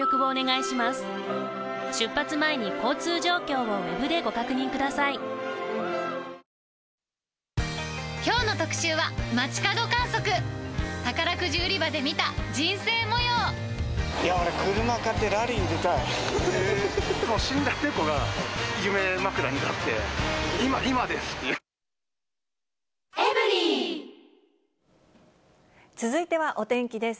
いや俺、死んだ猫が夢枕に立って、続いてはお天気です。